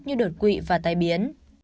như đột quỵ và tai biến